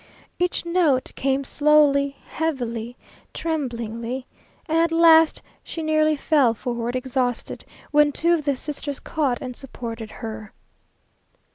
Each note came slowly, heavily, trembingly; and at last she nearly fell forward exhausted, when two of the sisters caught and supported her.